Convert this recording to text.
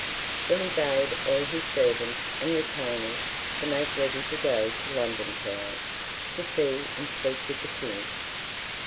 Then he bade all his servants and retainers to make ready to go to London Town, to see and speak with the King.